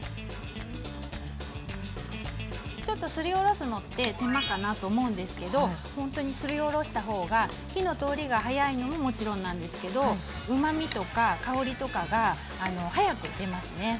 ちょっとすりおろすのって手間かなと思うんですけどほんとにすりおろした方が火の通りが早いのももちろんなんですけどうまみとか香りとかが早く出ますね。